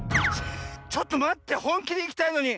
ちょっとまってほんきでいきたいのに。